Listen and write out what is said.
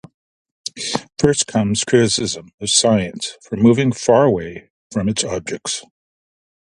First comes a criticism of science for moving far away from its objects!